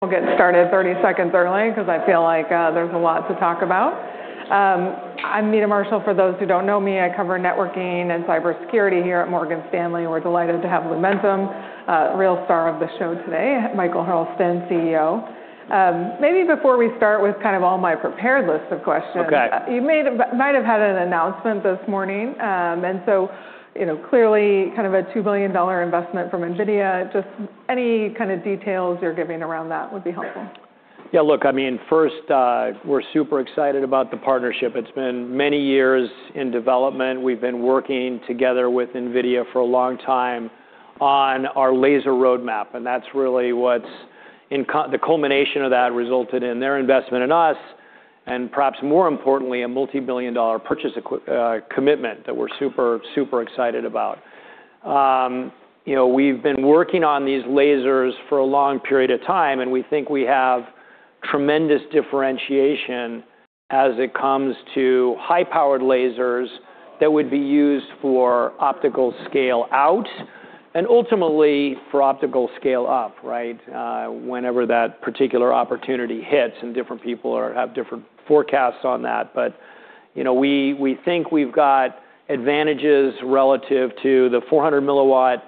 We'll get started 30 seconds early because I feel like there's a lot to talk about. I'm Meta Marshall. For those who don't know me, I cover networking and cybersecurity here at Morgan Stanley. We're delighted to have Lumentum, real star of the show today, Michael Hurlston, CEO. Maybe before we start with kind of all my prepared list of questions. Okay. You might have had an announcement this morning. You know, clearly kind of a $2 billion investment from NVIDIA. Just any kind of details you're giving around that would be helpful. Look, I mean, first, we're super excited about the partnership. It's been many years in development. We've been working together with NVIDIA for a long time on our laser roadmap. That's really what's the culmination of that resulted in their investment in us and perhaps more importantly, a multi-billion dollar purchase commitment that we're super excited about. You know, we've been working on these lasers for a long period of time, and we think we have tremendous differentiation as it comes to high-powered lasers that would be used for optical scale out and ultimately for optical scale up, right? Whenever that particular opportunity hits, and different people have different forecasts on that. You know, we think we've got advantages relative to the 400 milliwatt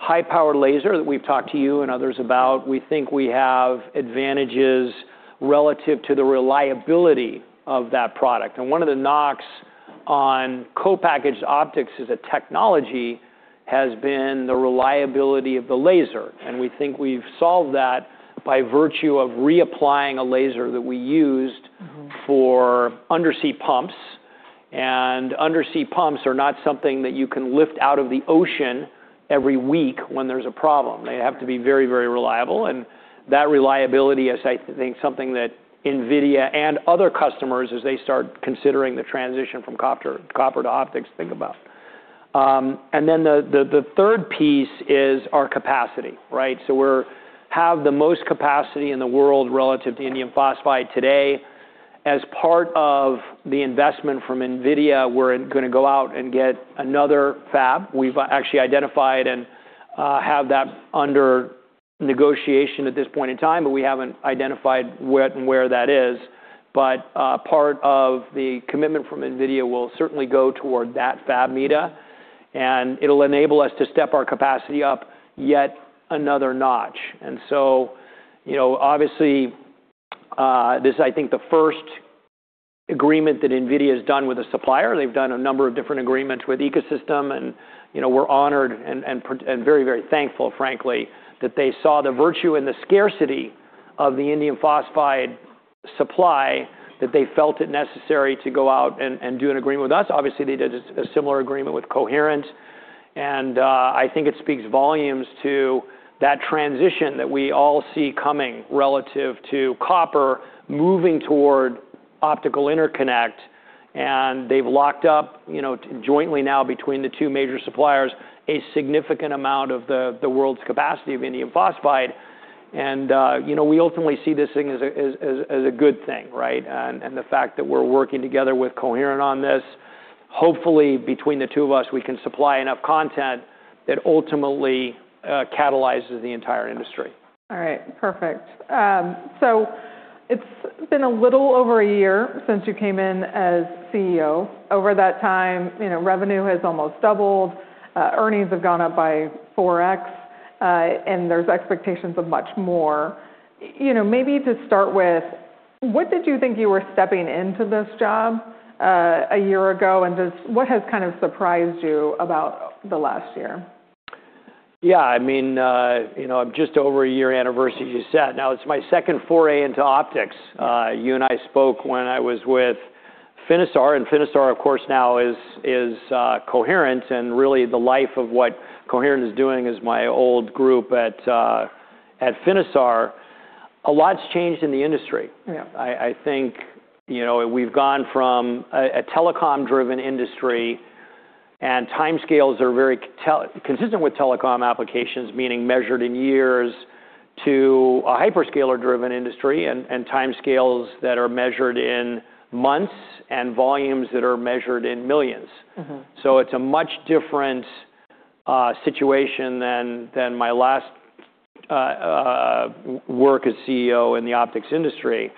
high-powered laser that we've talked to you and others about. We think we have advantages relative to the reliability of that product. One of the knocks on co-packaged optics as a technology has been the reliability of the laser. We think we've solved that by virtue of reapplying a laser that we used- Mm-hmm. -for undersea pumps. Undersea pumps are not something that you can lift out of the ocean every week when there's a problem. They have to be very, very reliable. That reliability is, I think, something that NVIDIA and other customers, as they start considering the transition from copper to optics, think about. Then the third piece is our capacity, right? We have the most capacity in the world relative to indium phosphide today. As part of the investment from NVIDIA, we're gonna go out and get another fab. We've actually identified and have that under negotiation at this point in time. We haven't identified what and where that is. Part of the commitment from NVIDIA will certainly go toward that fab meta, and it'll enable us to step our capacity up yet another notch. You know, obviously, this is, I think, the first agreement that NVIDIA has done with a supplier. They've done a number of different agreements with Ecosystem and, you know, we're honored and very, very thankful, frankly, that they saw the virtue and the scarcity of the indium phosphide supply, that they felt it necessary to go out and do an agreement with us. Obviously, they did a similar agreement with Coherent, I think it speaks volumes to that transition that we all see coming relative to copper moving toward optical interconnect. They've locked up, you know, jointly now between the two major suppliers, a significant amount of the world's capacity of indium phosphide. You know, we ultimately see this thing as a good thing, right? The fact that we're working together with Coherent on this, hopefully between the two of us, we can supply enough content that ultimately catalyzes the entire industry. All right. Perfect. It's been a little over a year since you came in as CEO. Over that time, you know, revenue has almost doubled, earnings have gone up by 4x, there's expectations of much more. You know, maybe to start with, what did you think you were stepping into this job, a year ago, what has kind of surprised you about the last year? Yeah. I mean, you know, just over a year anniversary, as you said. Now it's my second foray into optics. You and I spoke when I was with Finisar, and Finisar, of course, now is Coherent. Really the life of what Coherent is doing is my old group at Finisar. A lot's changed in the industry. Yeah. I think, you know, we've gone from a telecom-driven industry, and timescales are very consistent with telecom applications, meaning measured in years, to a hyperscaler-driven industry and timescales that are measured in months and volumes that are measured in millions. Mm-hmm. It's a much different situation than my last work as CEO in the optics industry.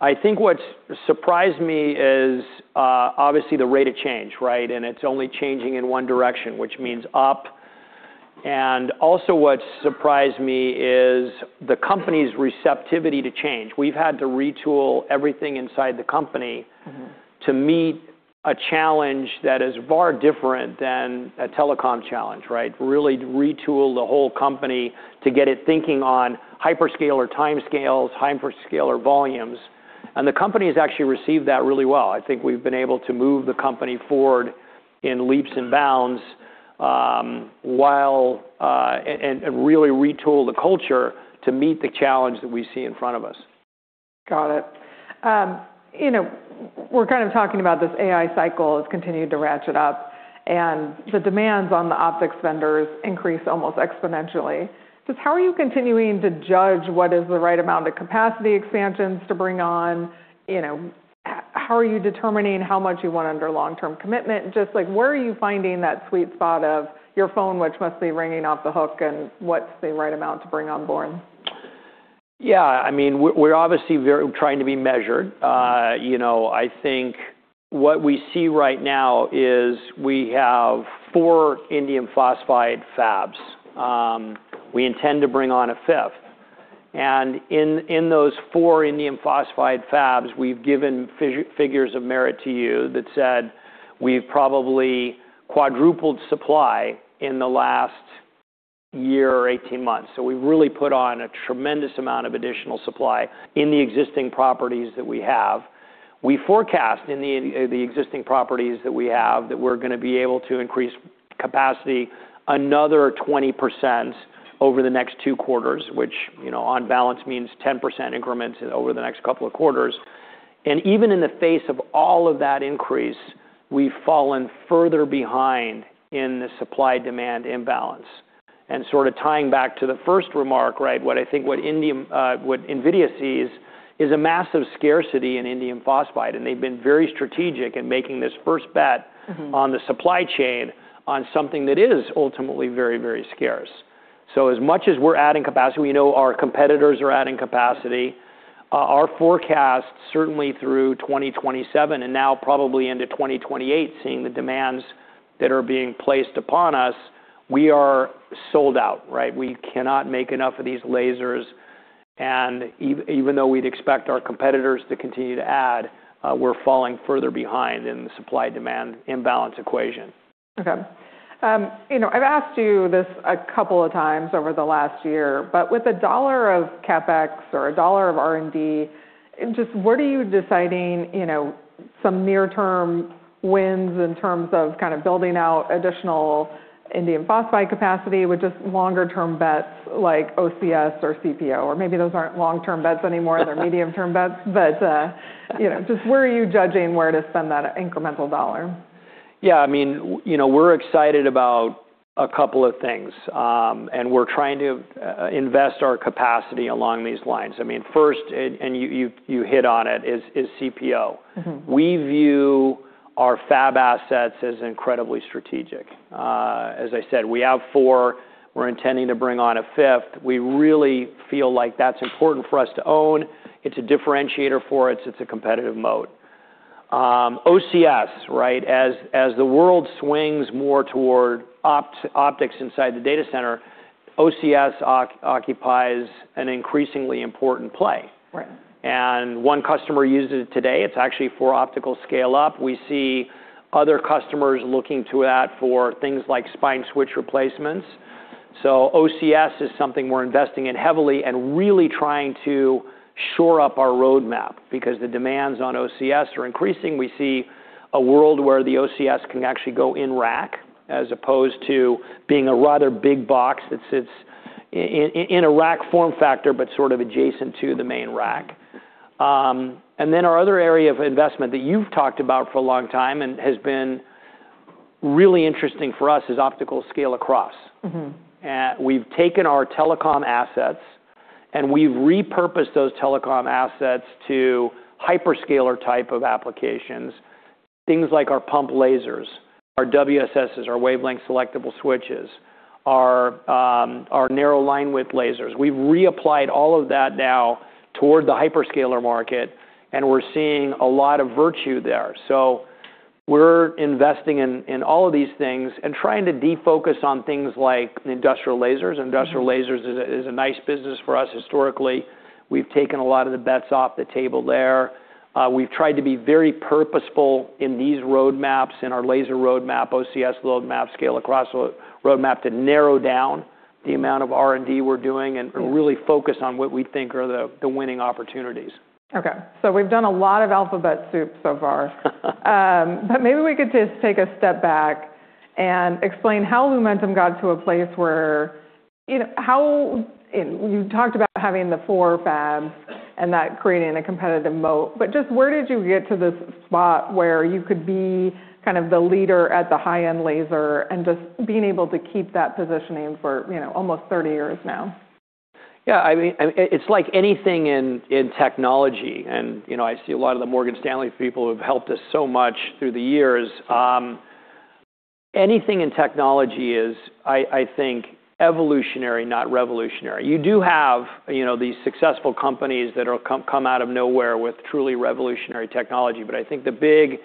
I think what's surprised me is obviously the rate of change, right? It's only changing in one direction, which means up. Also what's surprised me is the company's receptivity to change. We've had to retool everything inside the company. Mm-hmm. To meet a challenge that is far different than a telecom challenge, right? Really retool the whole company to get it thinking on hyperscaler timescales, hyperscaler volumes. The company's actually received that really well. I think we've been able to move the company forward in leaps and bounds. Really retool the culture to meet the challenge that we see in front of us. Got it. You know, we're kind of talking about this AI cycle. It's continued to ratchet up. The demands on the optics vendors increase almost exponentially. Just how are you continuing to judge what is the right amount of capacity expansions to bring on? How are you determining how much you want under long-term commitment? Just like where are you finding that sweet spot of your phone, which must be ringing off the hook, and what's the right amount to bring on board? Yeah, I mean, we're obviously trying to be measured. You know, I think what we see right now is we have 4 indium phosphide fabs. We intend to bring on a 5th. In those 4 indium phosphide fabs, we've given figures of merit to you that said we've probably quadrupled supply in the last year or 18 months. We've really put on a tremendous amount of additional supply in the existing properties that we have. We forecast in the existing properties that we have that we're gonna be able to increase capacity another 20% over the next 2 quarters, which, you know, on balance means 10% increments over the next couple of quarters. Even in the face of all of that increase, we've fallen further behind in the supply-demand imbalance. Sort of tying back to the first remark, right? What I think what NVIDIA sees is a massive scarcity in indium phosphide, and they've been very strategic in making this first bet. Mm-hmm... on the supply chain on something that is ultimately very, very scarce. As much as we're adding capacity, we know our competitors are adding capacity. Our forecast certainly through 2027 and now probably into 2028, seeing the demands that are being placed upon us, we are sold out, right? We cannot make enough of these lasers, even though we'd expect our competitors to continue to add, we're falling further behind in the supply-demand imbalance equation. Okay. You know, I've asked you this a couple of times over the last year, with $1 of CapEx or $1 of R&D, just where are you deciding, you know, some near-term wins in terms of kind of building out additional indium phosphide capacity with just longer-term bets like OCS or CPO? Maybe those aren't long-term bets anymore, they're medium-term bets. You know, just where are you judging where to spend that incremental dollar? I mean, you know, we're excited about a couple of things, and we're trying to invest our capacity along these lines. I mean, first, and you hit on it, is CPO. Mm-hmm. We view our fab assets as incredibly strategic. As I said, we have four. We're intending to bring on a fifth. We really feel like that's important for us to own. It's a differentiator for us. It's a competitive moat. OCS, right? As the world swings more toward optics inside the data center, OCS occupies an increasingly important play. Right. One customer uses it today. It's actually for optical scale-up. We see other customers looking to that for things like spine switch replacements. OCS is something we're investing in heavily and really trying to shore up our roadmap because the demands on OCS are increasing. We see a world where the OCS can actually go in rack as opposed to being a rather big box that sits in a rack form factor, but sort of adjacent to the main rack. Our other area of investment that you've talked about for a long time and has been really interesting for us is optical scale-across. Mm-hmm. We've taken our telecom assets, and we've repurposed those telecom assets to hyperscaler type of applications. Things like our pump lasers, our WSS, our wavelength selectable switches, our narrow linewidth lasers. We've reapplied all of that now toward the hyperscaler market, and we're seeing a lot of virtue there. We're investing in all of these things and trying to defocus on things like industrial lasers. Mm-hmm. Industrial lasers is a nice business for us historically. We've taken a lot of the bets off the table there. We've tried to be very purposeful in these roadmaps, in our laser roadmap, OCS roadmap, scale across roadmap to narrow down the amount of R&D we're doing. Mm-hmm... really focus on what we think are the winning opportunities. Okay. We've done a lot of alphabet soup so far. Maybe we could just take a step back and explain how Lumentum got to a place where... You know, You talked about having the 4 fabs and that creating a competitive moat. Just where did you get to this spot where you could be kind of the leader at the high-end laser and just being able to keep that positioning for, you know, almost 30 years now? Yeah, I mean, it's like anything in technology, you know, I see a lot of the Morgan Stanley people who have helped us so much through the years. Anything in technology is, I think, evolutionary, not revolutionary. You do have, you know, these successful companies that'll come out of nowhere with truly revolutionary technology. I think the big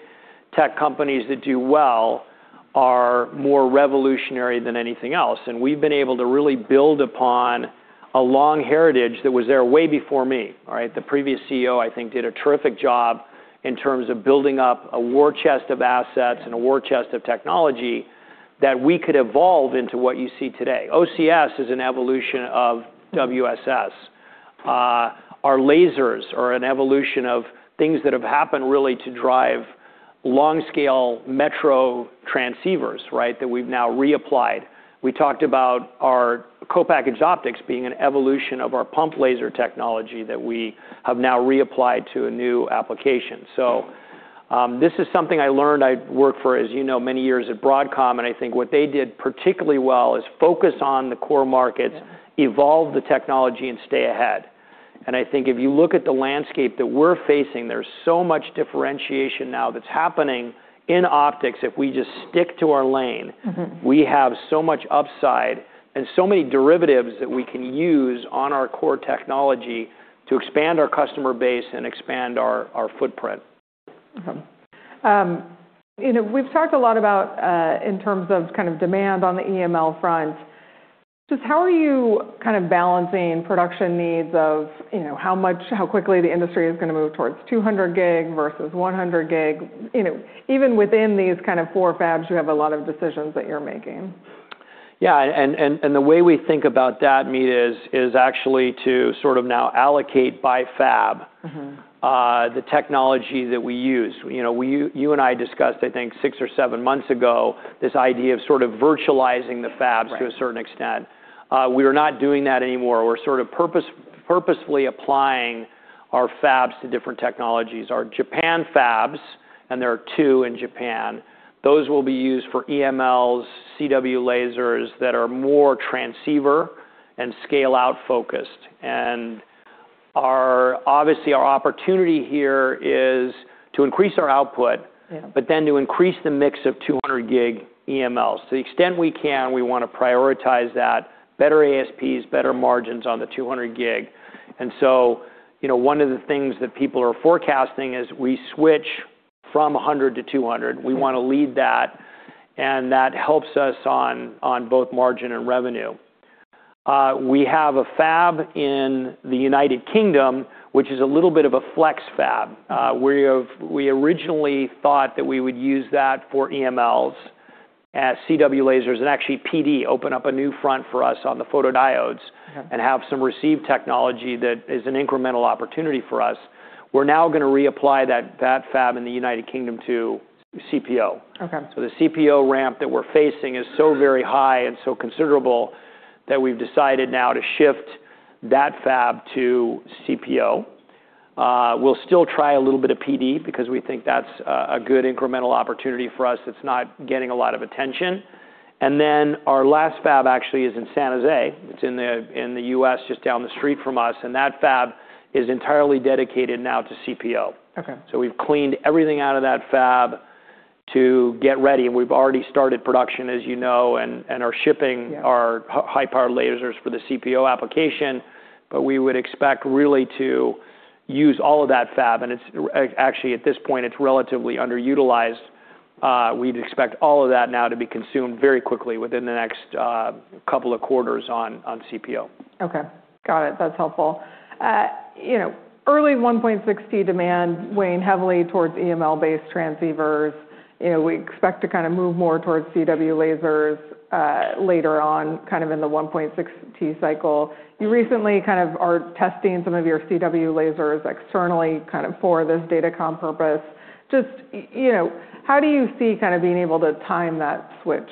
tech companies that do well are more revolutionary than anything else. We've been able to really build upon a long heritage that was there way before me, all right? The previous CEO, I think, did a terrific job in terms of building up a war chest of assets and a war chest of technology that we could evolve into what you see today. OCS is an evolution of WSS. Our lasers are an evolution of things that have happened really to drive long-scale metro transceivers, right? That we've now reapplied. We talked about our co-packaged optics being an evolution of our pump laser technology that we have now reapplied to a new application. This is something I learned. I worked for, as you know, many years at Broadcom, and I think what they did particularly well is focus on the core markets... Yeah... evolve the technology, and stay ahead. I think if you look at the landscape that we're facing, there's so much differentiation now that's happening in optics if we just stick to our lane. Mm-hmm. We have so much upside and so many derivatives that we can use on our core technology to expand our customer base and expand our footprint. You know, we've talked a lot about, in terms of kind of demand on the EML front. Just how are you kind of balancing production needs of, you know, how much, how quickly the industry is gonna move towards 200G versus 100G? You know, even within these kind of four fabs, you have a lot of decisions that you're making. Yeah. And the way we think about that, Meta, is actually to sort of now allocate by fab- Mm-hmm... the technology that we use. You know, you and I discussed, I think, six or seven months ago, this idea of sort of virtualizing the fabs- Right... to a certain extent. We are not doing that anymore. We're sort of purposefully applying our fabs to different technologies. Our Japan fabs, and there are two in Japan, those will be used for EMLs, CW lasers that are more transceiver and scale-out focused. Obviously, our opportunity here is to increase our output Yeah to increase the mix of 200G EMLs. To the extent we can, we wanna prioritize that. Better ASPs, better margins on the 200G. you know, one of the things that people are forecasting is we switch from 100G to 200G. We wanna lead that, and that helps us on both margin and revenue. We have a fab in the U.K., which is a little bit of a flex fab. We originally thought that we would use that for EMLs as CW lasers, and actually PD opened up a new front for us on the photodiodes. Okay... and have some receive technology that is an incremental opportunity for us. We're now gonna reapply that fab in the United Kingdom to CPO. Okay. The CPO ramp that we're facing is so very high and so considerable that we've decided now to shift that fab to CPO. We'll still try a little bit of PD because we think that's a good incremental opportunity for us that's not getting a lot of attention. Our last fab actually is in San Jose. It's in the, in the U.S., just down the street from us, and that fab is entirely dedicated now to CPO. Okay. We've cleaned everything out of that fab to get ready, and we've already started production, as you know, and are shipping. Yeah... our high-power lasers for the CPO application. We would expect really to use all of that fab, and it's actually, at this point, relatively underutilized. We'd expect all of that now to be consumed very quickly within the next couple of quarters on CPO. Okay. Got it. That's helpful. You know, early 1.6T demand weighing heavily towards EML-based transceivers. You know, we expect to kind of move more towards CW lasers, later on, kind of in the 1.6T cycle. You recently kind of are testing some of your CW lasers externally kind of for this datacom purpose. Just, you know, how do you see kind of being able to time that switch?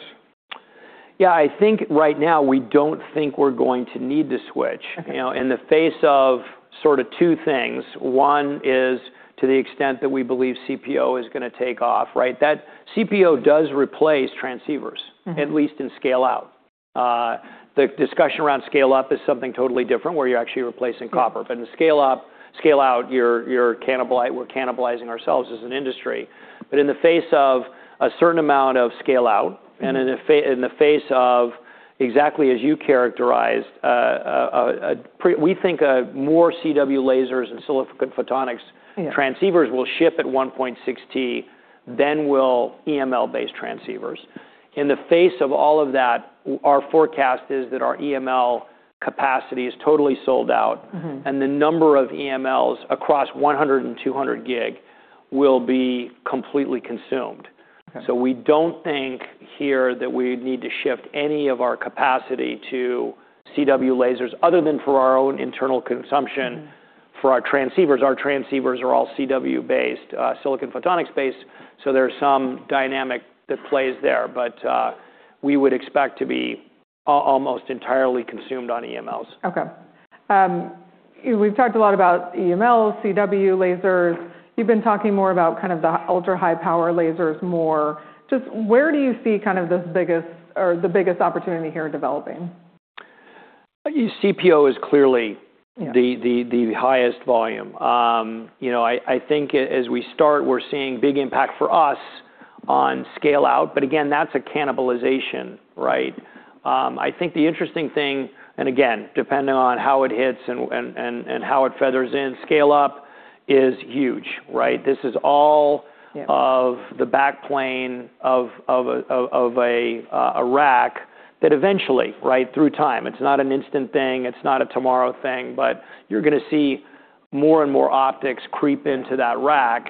Yeah. I think right now we don't think we're going to need the switch. Okay. You know, in the face of sort of two things. One is to the extent that we believe CPO is gonna take off, right? That CPO does replace transceivers. Mm-hmm at least in scale out. The discussion around scale up is something totally different where you're actually replacing copper. In the scale out, we're cannibalizing ourselves as an industry. In the face of a certain amount of scale out, and in the face of exactly as you characterized, we think more CW lasers and Silicon photonics. Yeah... transceivers will ship at 1.6T than will EML-based transceivers. In the face of all of that, our forecast is that our EML capacity is totally sold out. Mm-hmm. The number of EMLs across 100G and 200G will be completely consumed. Okay. We don't think here that we need to shift any of our capacity to CW lasers other than for our own internal consumption. Mm-hmm ... for our transceivers. Our transceivers are all CW-based, silicon photonics based, so there's some dynamic that plays there. We would expect to be almost entirely consumed on EMLs. Okay. We've talked a lot about EML, CW lasers. You've been talking more about kind of the ultra-high power lasers more. Just where do you see kind of the biggest opportunity here developing? CPO is. Yeah the highest volume. you know, I think as we start, we're seeing big impact for us on scale out, but again, that's a cannibalization, right? I think the interesting thing, and again, depending on how it hits and how it feathers in, scale up is huge, right? This is all- Yeah... of the back plane of a rack that eventually, right, through time, it's not an instant thing, it's not a tomorrow thing, but you're gonna see more and more optics creep into that rack,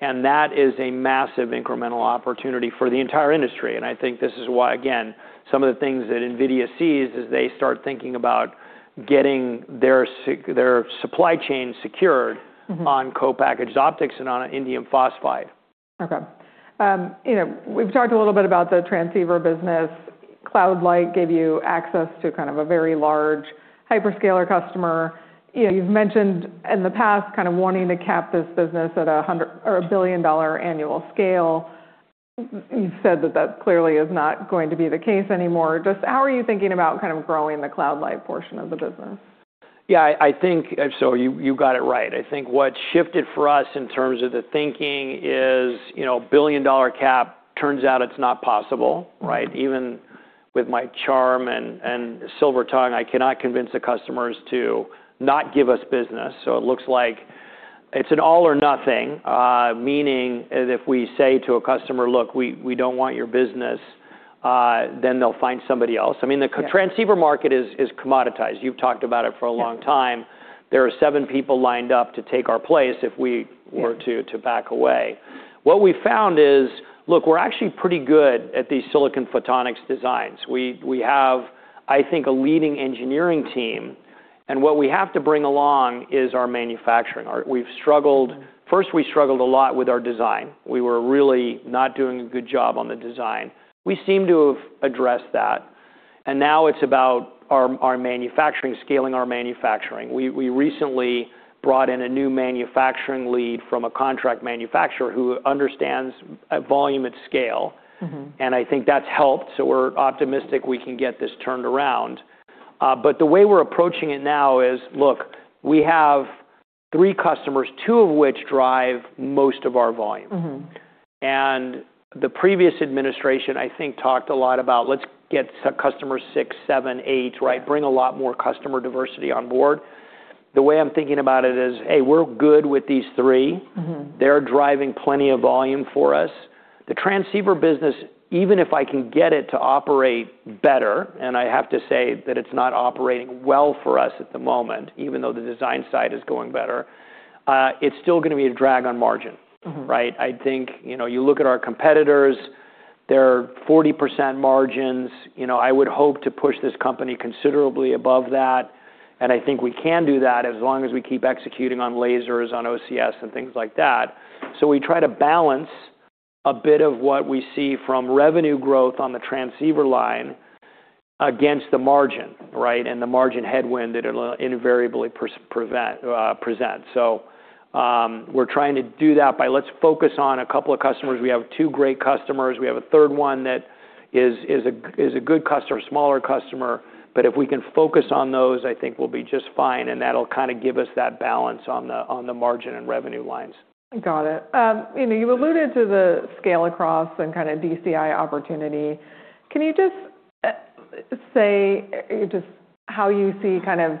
and that is a massive incremental opportunity for the entire industry. I think this is why, again, some of the things that NVIDIA sees as they start thinking about getting their supply chain secured. Mm-hmm on co-packaged optics and on indium phosphide. You know, we've talked a little bit about the transceiver business. Cloud Light gave you access to kind of a very large hyperscaler customer. You know, you've mentioned in the past kind of wanting to cap this business at $100 or $1 billion annual scale. You've said that that clearly is not going to be the case anymore. Just how are you thinking about kind of growing the Cloud Light portion of the business? Yeah, I think so you got it right. I think what shifted for us in terms of the thinking is, you know, billion-dollar cap, turns out it's not possible, right? Even with my charm and silver tongue, I cannot convince the customers to not give us business. It looks like it's an all or nothing, meaning if we say to a customer, "Look, we don't want your business," then they'll find somebody else. I mean. Yeah... the transceiver market is commoditized. You've talked about it for a long time. Yeah. There are 7 people lined up to take our place. Yeah... were to back away. What we found is, look, we're actually pretty good at these silicon photonics designs. We have, I think, a leading engineering team. What we have to bring along is our manufacturing. We've struggled. First, we struggled a lot with our design. We were really not doing a good job on the design. We seem to have addressed that. Now it's about our manufacturing, scaling our manufacturing. We recently brought in a new manufacturing lead from a contract manufacturer who understands volume at scale. Mm-hmm. I think that's helped. We're optimistic we can get this turned around. The way we're approaching it now is, look, we have three customers, two of which drive most of our volume. Mm-hmm. The previous administration, I think, talked a lot about let's get customer 6, 7, 8, right, bring a lot more customer diversity on board. The way I'm thinking about it is, hey, we're good with these three. Mm-hmm. They're driving plenty of volume for us. The transceiver business, even if I can get it to operate better, and I have to say that it's not operating well for us at the moment, even though the design side is going better, it's still gonna be a drag on margin, right? Mm-hmm. I think, you look at our competitors, they're 40% margins. I would hope to push this company considerably above that, and I think we can do that as long as we keep executing on lasers, on OCS and things like that. We try to balance a bit of what we see from revenue growth on the transceiver line against the margin, right, and the margin headwind that it'll invariably present. We're trying to do that by let's focus on a couple of customers. We have two great customers. We have a third one that is a good customer, a smaller customer. If we can focus on those, I think we'll be just fine, and that'll kinda give us that balance on the, on the margin and revenue lines. Got it. You know, you alluded to the scale-across and kind of DCI opportunity. Can you just say just how you see kind of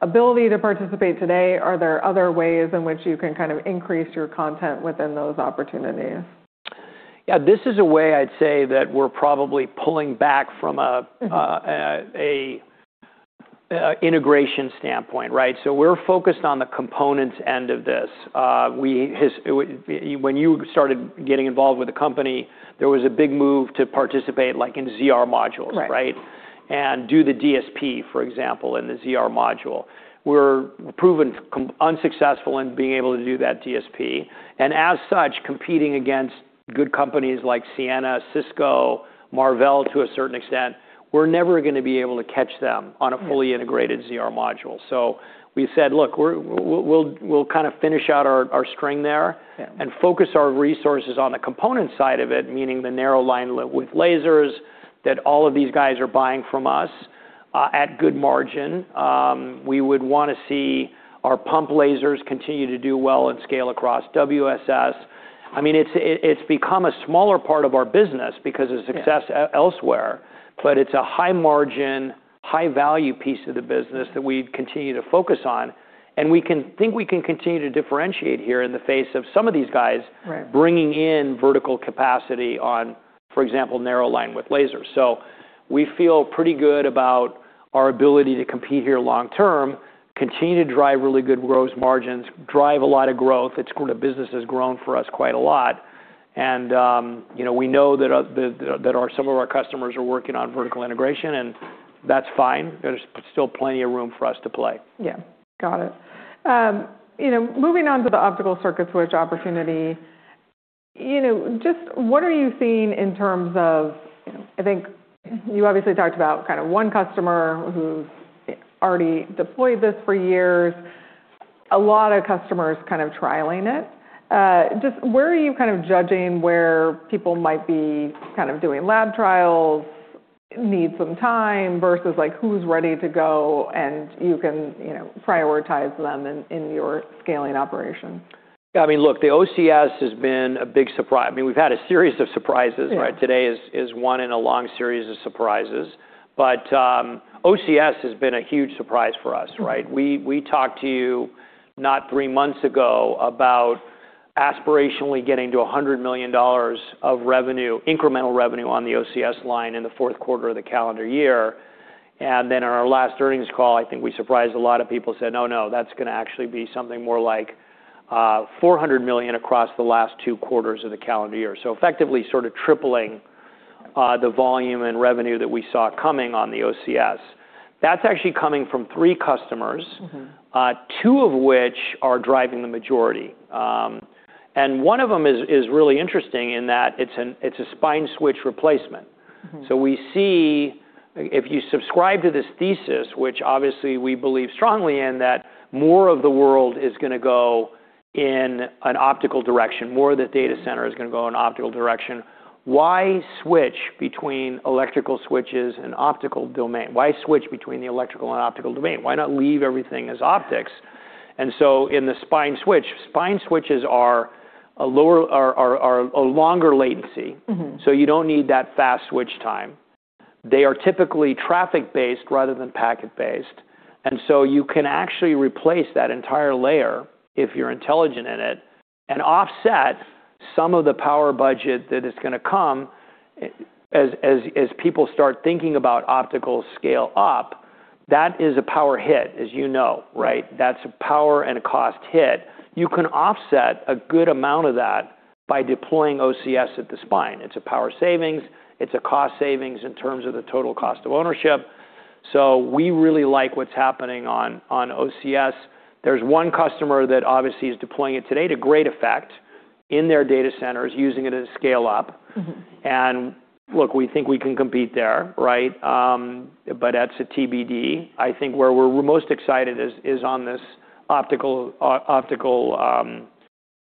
ability to participate today? Are there other ways in which you can kind of increase your content within those opportunities? Yeah. This is a way I'd say that we're probably pulling back from. Mm-hmm... integration standpoint, right? We're focused on the components end of this. When you started getting involved with the company, there was a big move to participate, like, in ZR modules. Right... right? Do the DSP, for example, in the ZR module. We're proven unsuccessful in being able to do that DSP, and as such, competing against good companies like Ciena, Cisco, Marvell to a certain extent, we're never gonna be able to catch them. Right... fully integrated ZR module. We said, "Look, we'll kind of finish out our string there. Yeah... and focus our resources on the component side of it," meaning the narrow linewidth lasers that all of these guys are buying from us, at good margin. We would wanna see our pump lasers continue to do well and scale across WSS. I mean, it's become a smaller part of our business because of success elsewhere, but it's a high margin, high value piece of the business that we continue to focus on, and we can think we can continue to differentiate here in the face of some of these guys- Right... bringing in vertical capacity on, for example, narrow linewidth lasers. We feel pretty good about our ability to compete here long term, continue to drive really good gross margins, drive a lot of growth. It's sort of businesses grown for us quite a lot and, you know, we know that our, some of our customers are working on vertical integration, and that's fine. There's still plenty of room for us to play. Yeah. Got it. you know, moving on to the optical circuit switch opportunity, you know, just what are you seeing in terms of, you know, I think you obviously talked about kind of one customer who's already deployed this for years. A lot of customers kind of trialing it. just where are you kind of judging where people might be kind of doing lab trials, need some time versus, like, who's ready to go and you can, you know, prioritize them in your scaling operation? I mean, look, the OCS has been a big surprise. I mean, we've had a series of surprises, right? Yeah. Today is one in a long series of surprises. OCS has been a huge surprise for us, right? Mm-hmm. We talked to you not three months ago about aspirationally getting to $100 million of revenue, incremental revenue on the OCS line in the fourth quarter of the calendar year. On our last earnings call, I think we surprised a lot of people, said, "No, no, that's gonna actually be something more like $400 million across the last two quarters of the calendar year." Effectively sort of tripling the volume and revenue that we saw coming on the OCS. That's actually coming from three customers. Mm-hmm. Two of which are driving the majority. One of them is really interesting in that it's a spine switch replacement. We see if you subscribe to this thesis, which obviously we believe strongly in, that more of the world is going to go in an optical direction, more of the data center is going to go in an optical direction. Why switch between electrical switches and optical domain? Why switch between the electrical and optical domain? Why not leave everything as optics? In the spine switch, spine switches are a longer latency. Mm-hmm. You don't need that fast switch time. They are typically traffic-based rather than packet-based, you can actually replace that entire layer if you're intelligent in it and offset some of the power budget that is going to come as people start thinking about optical scale-up. That is a power hit, as you know, right? That's a power and a cost hit. You can offset a good amount of that by deploying OCS at the spine. It's a power savings, it's a cost savings in terms of the total cost of ownership. We really like what's happening on OCS. There's one customer that obviously is deploying it today to great effect in their data centers, using it as scale up. Mm-hmm. Look, we think we can compete there, right? That's a TBD. I think where we're most excited is on this optical,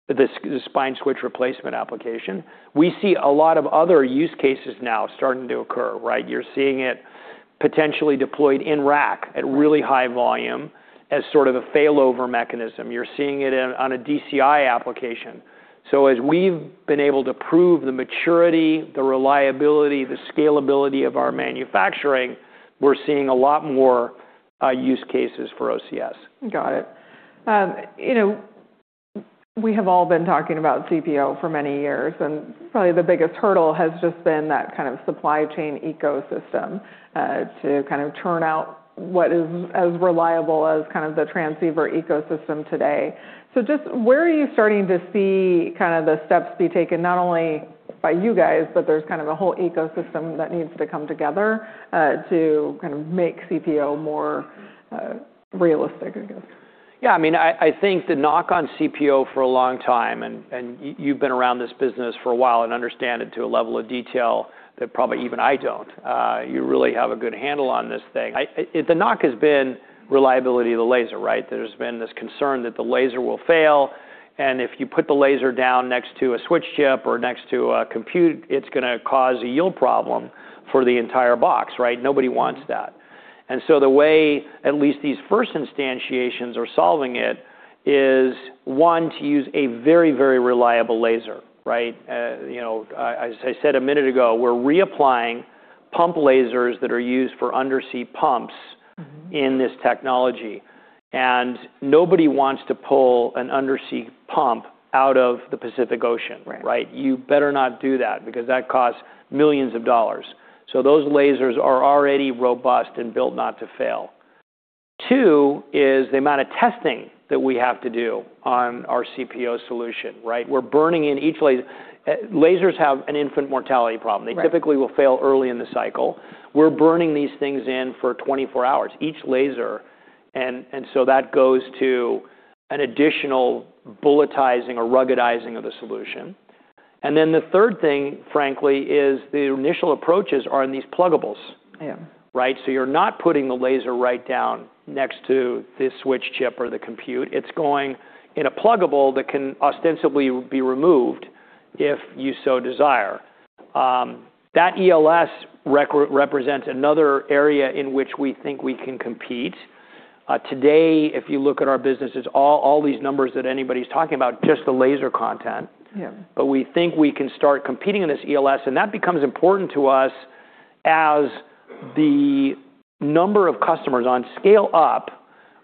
this spine switch replacement application. We see a lot of other use cases now starting to occur, right? You're seeing it potentially deployed in rack at really high volume as sort of a failover mechanism. You're seeing it in, on a DCI application. As we've been able to prove the maturity, the reliability, the scalability of our manufacturing, we're seeing a lot more use cases for OCS. Got it. You know, we have all been talking about CPO for many years, and probably the biggest hurdle has just been that kind of supply chain ecosystem, to kind of turn out what is as reliable as kind of the transceiver ecosystem today. Just where are you starting to see kind of the steps be taken, not only by you guys, but there's kind of a whole ecosystem that needs to come together, to kind of make CPO more, realistic, I guess? Yeah. I mean, I think the knock on CPO for a long time, you've been around this business for a while and understand it to a level of detail that probably even I don't. You really have a good handle on this thing. The knock has been reliability of the laser, right? There's been this concern that the laser will fail, and if you put the laser down next to a switch chip or next to a compute, it's going to cause a yield problem for the entire box, right? Nobody wants that. The way at least these first instantiations are solving it is, 1, to use a very, very reliable laser, right? You know, as I said a minute ago, we're reapplying pump lasers that are used for undersea pumps. Mm-hmm... in this technology. Nobody wants to pull an undersea pump out of the Pacific Ocean. Right. Right? You better not do that, because that costs millions of dollars. Those lasers are already robust and built not to fail. Two is the amount of testing that we have to do on our CPO solution, right? We're burning in each lasers have an infant mortality problem. Right. They typically will fail early in the cycle. We're burning these things in for 24 hours, each laser, so that goes to an additional bulletizing or ruggedizing of the solution. The third thing, frankly, is the initial approaches are in these pluggables. Yeah. Right? You're not putting the laser right down next to the switch chip or the compute. It's going in a pluggable that can ostensibly be removed if you so desire. That ELS represents another area in which we think we can compete. Today, if you look at our businesses, all these numbers that anybody's talking about, just the laser content. Yeah. We think we can start competing in this ELS, and that becomes important to us as the number of customers on scale up,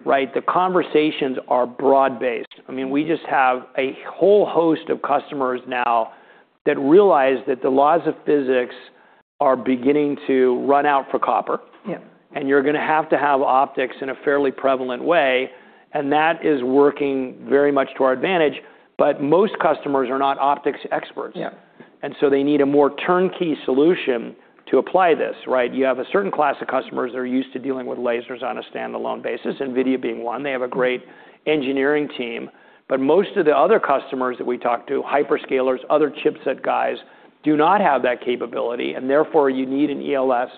right? The conversations are broad-based. I mean, we just have a whole host of customers now that realize that the laws of physics are beginning to run out for copper. Yeah. You're going to have to have optics in a fairly prevalent way, and that is working very much to our advantage. Most customers are not optics experts. Yeah. They need a more turnkey solution to apply this, right? You have a certain class of customers that are used to dealing with lasers on a standalone basis, NVIDIA being one. They have a great engineering team. Most of the other customers that we talk to, hyperscalers, other chipset guys, do not have that capability, and therefore you need an ELS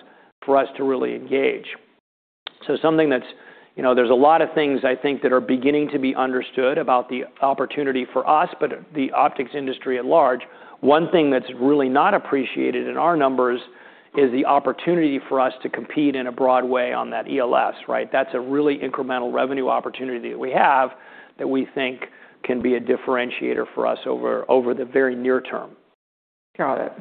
for us to really engage. You know, there's a lot of things I think that are beginning to be understood about the opportunity for us, but the optics industry at large. One thing that's really not appreciated in our numbers is the opportunity for us to compete in a broad way on that ELS, right? That's a really incremental revenue opportunity that we have that we think can be a differentiator for us over the very near term. Got it.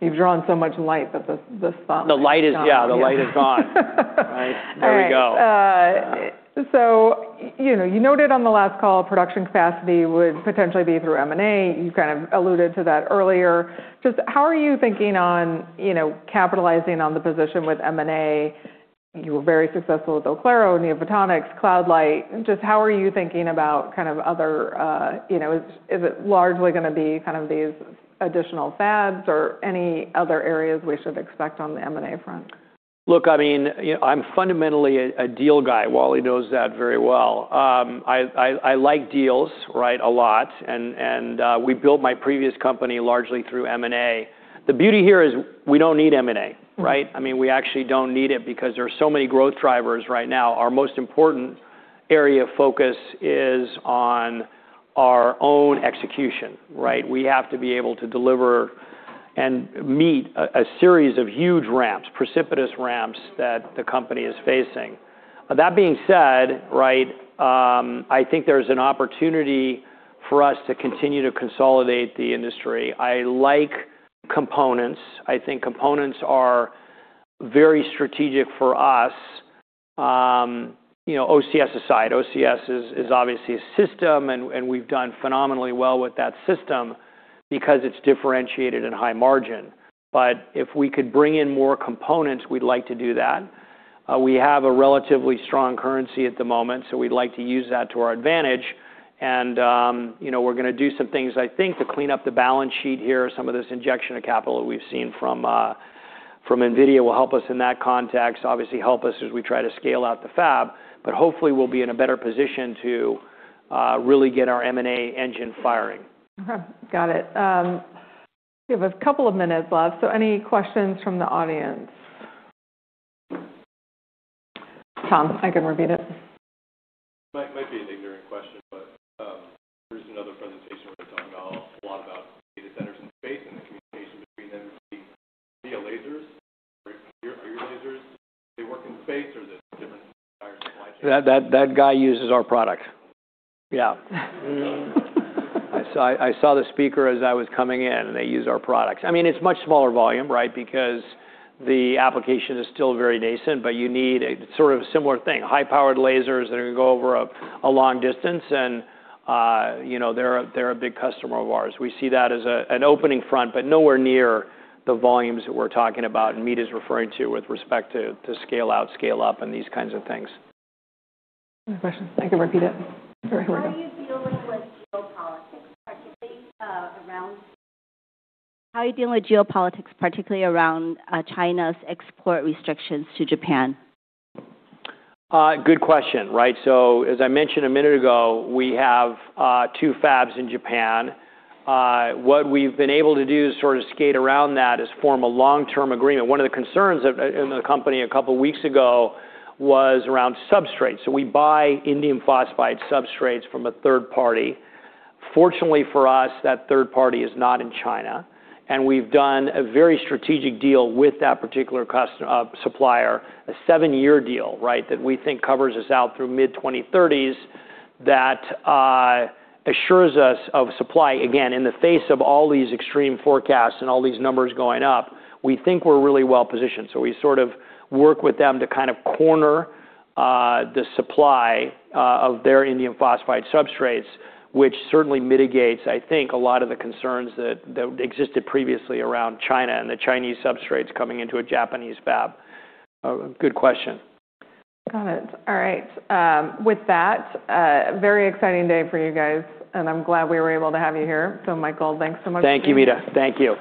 You've drawn so much light that the. The light is... Yeah. The sun, yeah. The light is gone, right? Right. There we go. you know, you noted on the last call production capacity would potentially be through M&A. You kind of alluded to that earlier. Just how are you thinking on, you know, capitalizing on the position with M&A? You were very successful with Oclaro, NeoPhotonics, Cloud Light. Just how are you thinking about kind of other? Is it largely going to be kind of these additional FABs or any other areas we should expect on the M&A front? Look, I mean, you know, I'm fundamentally a deal guy. Wally knows that very well. I like deals, right? A lot. We built my previous company largely through M&A. The beauty here is we don't need M&A, right? Mm-hmm. I mean, we actually don't need it because there are so many growth drivers right now. Our most important area of focus is on our own execution, right? Mm-hmm. We have to be able to deliver and meet a series of huge ramps, precipitous ramps that the company is facing. That being said, right, I think there's an opportunity for us to continue to consolidate the industry. I like components. I think components are very strategic for us. You know, OCS aside. OCS is obviously a system, and we've done phenomenally well with that system because it's differentiated and high margin. If we could bring in more components, we'd like to do that. We have a relatively strong currency at the moment, so we'd like to use that to our advantage. You know, we're gonna do some things, I think, to clean up the balance sheet here. Some of this injection of capital that we've seen from NVIDIA will help us in that context, obviously help us as we try to scale out the fab. Hopefully, we'll be in a better position to, really get our M&A engine firing. Got it. We have a couple of minutes left, so any questions from the audience? Tom, I can repeat it. Might be an ignorant question. There's another presentation we're talking a lot about data centers in space and the communication between them via lasers. Are your lasers, do they work in space or is it different, entire supply chain? That guy uses our product. Yeah. I saw the speaker as I was coming in, and they use our products. I mean, it's much smaller volume, right, because the application is still very nascent, but you need a sort of similar thing. High-powered lasers that are gonna go over a long distance and, you know, they're a big customer of ours. We see that as an opening front, but nowhere near the volumes that we're talking about and Meta is referring to with respect to scale out, scale up and these kinds of things. Any questions? I can repeat it for everyone. How are you dealing with geopolitics, particularly around China's export restrictions to Japan? Good question. Right. As I mentioned a minute ago, we have 2 fabs in Japan. What we've been able to do to sort of skate around that is form a long-term agreement. One of the concerns in the company a couple of weeks ago was around substrates. We buy indium phosphide substrates from a third party. Fortunately for us, that third party is not in China, and we've done a very strategic deal with that particular customer, supplier. A 7-year deal, right, that we think covers us out through mid-2030s that assures us of supply. Again, in the face of all these extreme forecasts and all these numbers going up, we think we're really well-positioned. We sort of work with them to kind of corner the supply of their indium phosphide substrates, which certainly mitigates, I think, a lot of the concerns that existed previously around China and the Chinese substrates coming into a Japanese fab. A good question. Got it. All right. With that, very exciting day for you guys, and I'm glad we were able to have you here. Michael, thanks so much. Thank you, Meta. Thank you.